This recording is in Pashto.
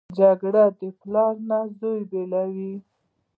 جګړه د پلار نه زوی بېلوي